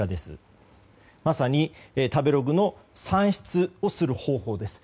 まさに食べログの算出をする方法です。